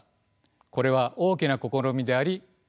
これは大きな試みであり挑戦です。